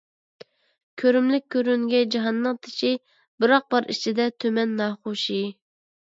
كۆرۈملۈك كۆرۈنگەي جاھاننىڭ تېشى، بىراق بار ئىچىدە تۈمەن ناخۇشى.